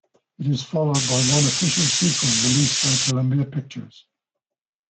It is followed by one official sequel released by Columbia Pictures.